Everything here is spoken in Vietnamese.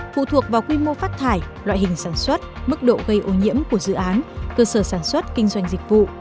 phụ thuộc vào quy mô phát thải loại hình sản xuất mức độ gây ô nhiễm của dự án cơ sở sản xuất kinh doanh dịch vụ